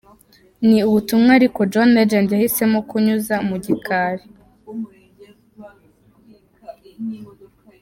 Ni ubutumwa ariko John Legend yahisemo kunyuza mu gikari.